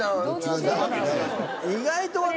意外と。